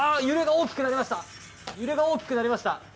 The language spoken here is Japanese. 揺れが大きくなりました。